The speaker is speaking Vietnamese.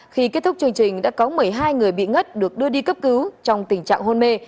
khi kết thúc chương trình đã có một mươi hai người bị ngất được đưa đi cấp cứu trong tình trạng hôn mê